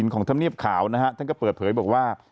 ของธรรมเนียบขาวนะฮะท่านก็เปิดเผยบอกว่า